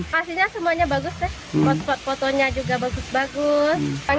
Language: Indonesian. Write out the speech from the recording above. hasilnya semuanya bagus deh spot spot fotonya juga bagus bagus